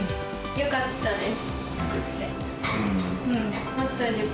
よかったです。